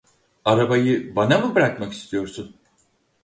Arabayı bana mı bırakmak mı istiyorsun?